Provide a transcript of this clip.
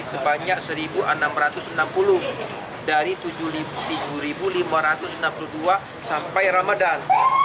sebanyak satu enam ratus enam puluh dari tujuh lima ratus enam puluh dua sampai ramadan